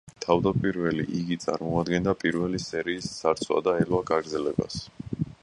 თავდაპირველი იგი წარმოადგენდა პირველი სერიის ძარცვა და ელვა გაგრძელებას.